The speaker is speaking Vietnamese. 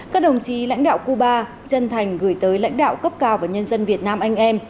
các đồng chí lãnh đạo cuba chân thành gửi tới lãnh đạo cấp cao và nhân dân việt nam anh em